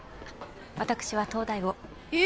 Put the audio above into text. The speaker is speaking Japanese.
私は東大をえっ！？